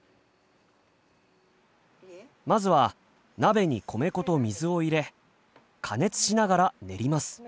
まずは鍋に米粉と水を入れ加熱しながら練ります。